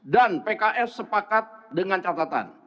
dan pks sepakat dengan catatan